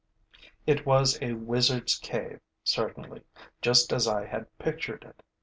It was a wizard's cave certainly, just as I had pictured it.